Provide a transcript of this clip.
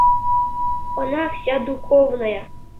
Она вся духовная...